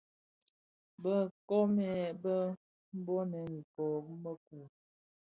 Bë nkoomèn bèn nbonèn iko bi mëku.